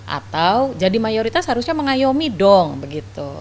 atau jadi mayoritas harusnya mengayomi dong begitu